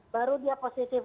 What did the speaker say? baru dia positif